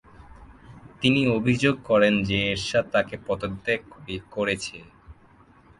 তিনি অভিযোগ করেন যে এরশাদ তাকে পরিত্যাগ করেছে।